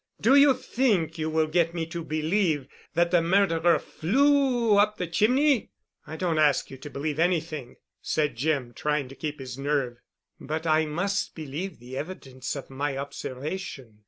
Do you think you will get me to believe that the murderer flew up the chimney?" "I don't ask you to believe anything," said Jim, trying to keep his nerve. "But I must believe the evidence of my observation.